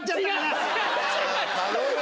頼むよ！